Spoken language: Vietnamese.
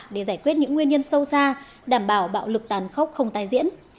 để giải quyết những nguyên nhân sâu xa đảm bảo bạo lực tàn khốc không tái diễn